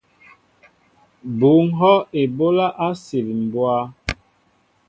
Bŭ ŋhɔʼ eɓólá á sil mbwá.